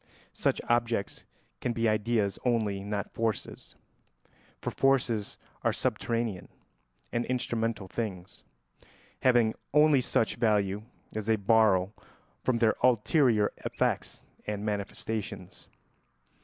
Such objects can be ideas only, not forces, for forces are subterranean and instrumental things, having only such value as they borrow from their ulterior effects and manifestations.